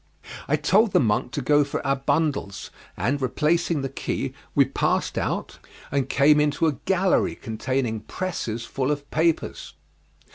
I told the monk to go for our bundles, and replacing the key we passed out and came into a gallery containing presses full of papers.